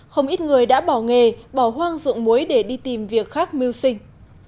không ít người đã bỏ nghề bỏ hoang dụng muối để đi tìm việc khác mưu sinh